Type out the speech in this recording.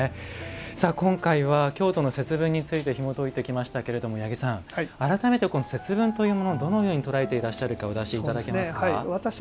今回は、京都の節分についてひもといてきましたが改めて節分というものどのようにとらえてらっしゃるかお出しいただけますか。